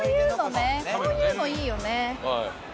こういうのいいよね。